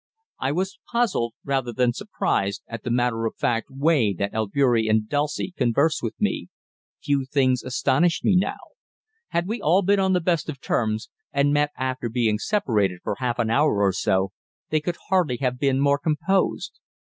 I was puzzled, rather than surprised, at the matter of fact way that Albeury and Dulcie conversed with me few things astonished me now. Had we all been on the best of terms, and met after being separated for half an hour or so, they could hardly have been more composed.